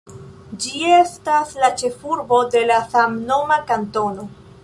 Ĝi estas la ĉefurbo de la samnoma kantono.